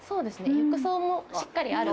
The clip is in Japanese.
浴槽もしっかりある。